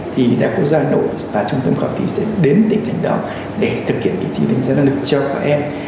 thì đại học quốc gia hà nội và trung tâm khẩu thí sẽ đến tỉnh thành đó để thực hiện kỳ thi đánh giá năng lực cho các em